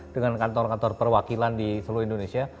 dengan kantor kantor perwakilan di seluruh indonesia